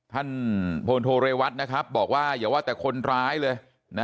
ท่านพลโทเรวัตนะครับบอกว่าอย่าว่าแต่คนร้ายเลยนะ